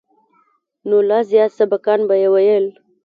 نو لا زيات سبقان به مې ويل.